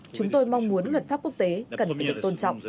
chúng tôi mong muốn luật pháp quốc tế cần phải được tôn trọng